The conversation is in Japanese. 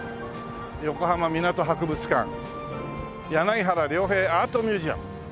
「横浜みなと博物館」「柳原良平アートミュージアム」